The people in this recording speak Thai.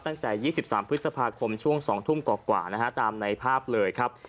ตั้งแต่๒๓พฤษภาคมช่วง๒ทุ่มกว่านะฮะตามในภาพเลยครับ